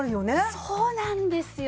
そうなんですよ。